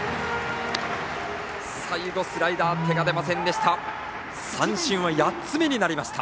最後、スライダーには手が出ませんでした。